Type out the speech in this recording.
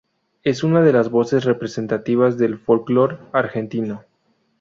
Es una de las voces representativas del folklore argentino.